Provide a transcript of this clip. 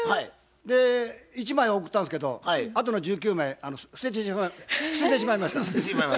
で１枚を送ったんですけどあとの１９枚捨ててしまいました。